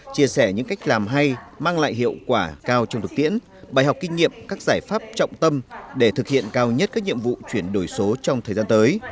chia sẻ những cách làm hay mang lại hiệu quả cao trong thực tiễn bài học kinh nghiệm các giải pháp trọng tâm để thực hiện cao nhất các nhiệm vụ chuyển đổi số trong thời gian tới